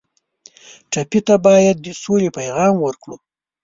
ټپي ته باید د سولې پیغام ورکړو.